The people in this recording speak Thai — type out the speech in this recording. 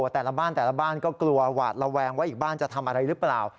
แต่ละบ้านแต่ละบ้านก็กลัวหวาดระแวงว่าอีกบ้านจะทำอะไรหรือเปล่า